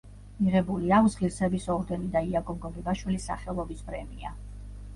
მიღებული აქვს ღირსების ორდენი და იაკობ გოგებაშვილის სახელობის პრემია.